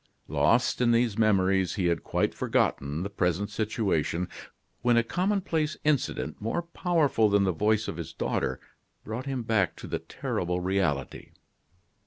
Lost in these memories, he had quite forgotten the present situation, when a commonplace incident, more powerful than the voice of his daughter, brought him back to the terrible reality.